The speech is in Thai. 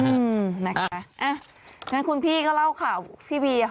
กำลังกินได้อ๋อซื้อปืนมาอ่ะงั้นคุณพี่เขาเล่าข่าวพี่บีอ่ะ